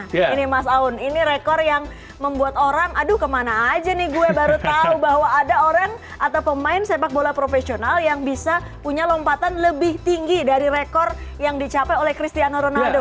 ini mas aun ini rekor yang membuat orang aduh kemana aja nih gue baru tahu bahwa ada orang atau pemain sepak bola profesional yang bisa punya lompatan lebih tinggi dari rekor yang dicapai oleh cristiano ronaldo